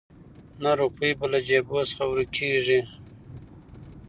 نه روپۍ به له جېبو څخه ورکیږي